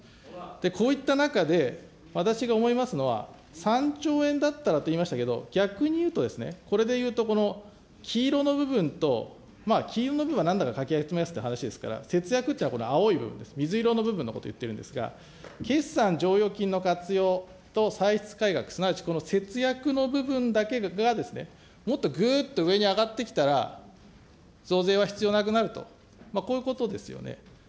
こういった中で、私が思いますのは、３兆円だったらと言いましたけど、逆に言うと、これでいうところの黄色の部分と、黄色の部分はなんだかかき集めますという話ですから、節約っていうのは青い部分です、水色の部分のことを言っているんですが、決算剰余金の活用と歳出改革、すなわちこの節約の部分だけがもっとぐっと上に上がってきたら、増税は必要なくなると、こういうことですよね。